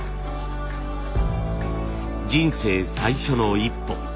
人生最初の一歩。